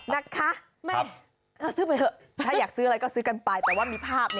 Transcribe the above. นะคะซื้อไปเถอะถ้าอยากซื้ออะไรก็ซื้อกันไปแต่ว่ามีภาพนะ